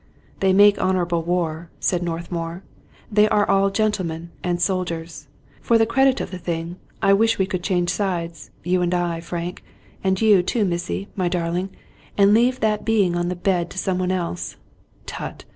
" They make honorable war," said Northmour. " They are all gentlemen and soldiers. For the credit of the thing, I wish we could change sides — ^you and I, Frank, and you, too, missy, my darling — ^and leave that being on the bed to some one else. Tut